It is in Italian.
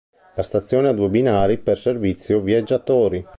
La stazione ha due binari per servizio viaggiatori.